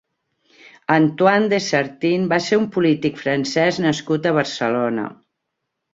Antoine de Sartine va ser un polític francès nascut a Barcelona.